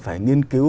phải nghiên cứu